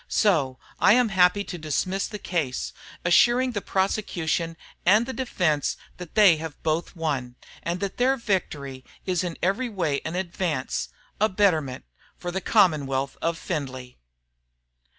"So, I am happy to dismiss the case, assuring the prosecution and the defence that they both have won, and that their victory is in every way an advance, a betterment, for the commonwealth of Findlay."